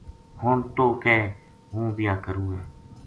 ہن توہ کہے ہوں بیاہ کروں ہے "